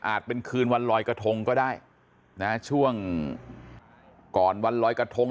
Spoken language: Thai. เป็นคืนวันลอยกระทงก็ได้นะช่วงก่อนวันลอยกระทง